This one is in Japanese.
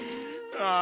ああ。